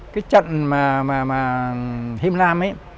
cái trận mà him lam ấy